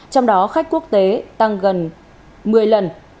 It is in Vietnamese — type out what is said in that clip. trong đó khách quốc tế tăng gần một mươi lần